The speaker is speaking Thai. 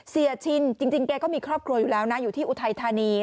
ชินจริงแกก็มีครอบครัวอยู่แล้วนะอยู่ที่อุทัยธานี